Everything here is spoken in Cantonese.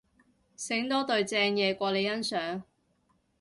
醒多隊正嘢過你欣賞